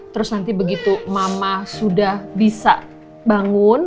terus nanti begitu mama sudah bisa bangun